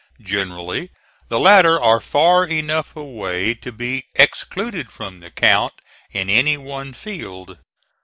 Generally the latter are far enough away to be excluded from the count in any one field.